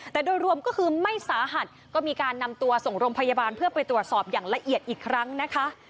แต่โดยรวมก็คือไม่สาหัสก็มีการนำตัวส่งโรงพยาบาลเพื่อไปตรวจสอบอย่างละเอียดอีกครั้งนะคะ